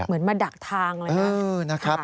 เหมือนมาดักทางเลยนะ